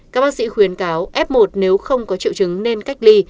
các bác sĩ khuyến cáo f một nếu không có triệu chứng nên cách ly